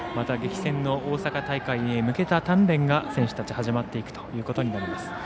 激戦の大阪大会に向けた鍛練が選手たち始まっていくということになります。